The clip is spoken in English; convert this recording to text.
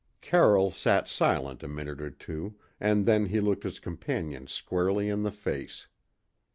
Carroll sat silent a minute or two; and then he looked his companion squarely in the face.